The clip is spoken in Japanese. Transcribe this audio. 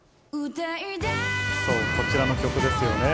そう、こちらの曲ですよね。